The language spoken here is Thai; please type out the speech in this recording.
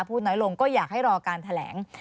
พูดน้อยลงก็อยากให้รอการแถลง